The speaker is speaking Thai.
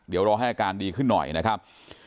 เดี๋ยวรอให้อาการดีขึ้นหน่อยนะครับ